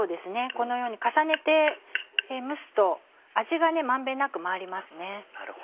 このように重ねて蒸すと味が満遍なく回りますね。